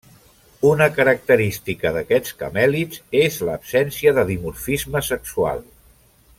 Una característica d'aquests camèlids és l'absència de dimorfisme sexual.